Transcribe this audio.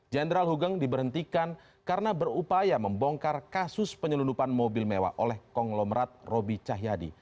jenderal hugeng diberhentikan karena berupaya membongkar kasus penyelundupan mobil mewah oleh konglomerat roby cahyadi